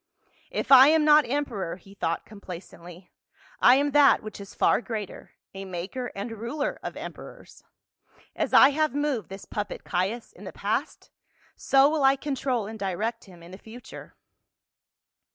" If I am not emperor," he thought complacently, " I am that which is far greater, a maker and ruler of emperors. As I have moved this puppet, Caius, in the past so will I control and direct him in the future."